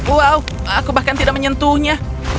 wow aku bahkan tidak menyentuhnya